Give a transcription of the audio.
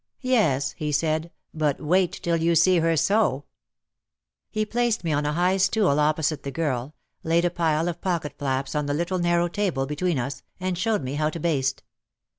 "Yes," he said, "but wait till you see her sew." He placed me on a high stool opposite the girl, laid a pile of pocket flaps on the little narrow table between us, and showed me how to baste.